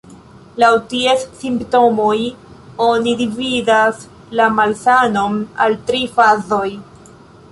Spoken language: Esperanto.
Laŭ ties simptomoj oni dividas la malsanon al tri fazoj.